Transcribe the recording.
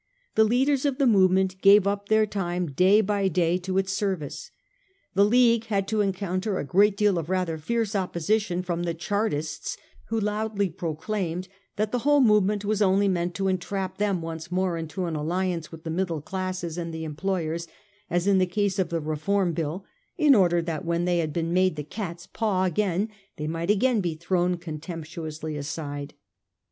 The leaders of the movement gave up their time day by day to its service. The League had to encounter a great deal of rather fierce opposition from the Chartists, who loudly proclaimed that the whole movement was only meant to entrap them once more into an alliance with the middle classes and the employers, as in the case of the Reform Bill, in order that when they had been made the cat's paw again they might again be thrown contemptuously aside.